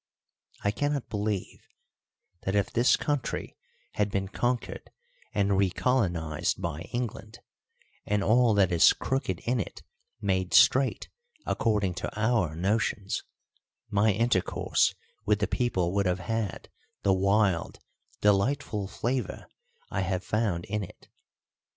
I cannot believe that if this country had been conquered and re colonised by England, and all that is crooked in it made straight according to our notions, my intercourse with the people would have had the wild, delightful flavour I have found in it.